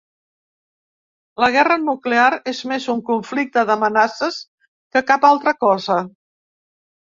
La guerra nuclear és més un conflicte d’amenaces que cap altra cosa.